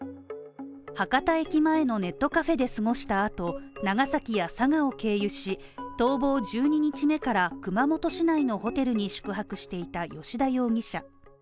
博多駅前のネットカフェで過ごした後、長崎や佐賀を経由し、逃亡１２日目から熊本市内のホテルに宿泊していた葭田容疑者。